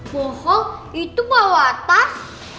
bohong itu bawah atas